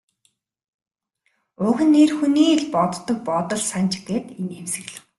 Уг нь эр хүний л боддог бодол санж гээд инээмсэглэв.